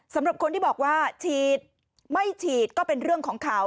สำหรับคนที่บอกว่าฉีดไม่ฉีดก็เป็นเรื่องของเขา